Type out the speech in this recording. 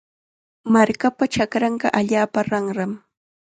Markapa chakranqa allaapa ranram.